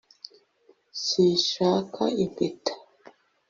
sinshaka impeta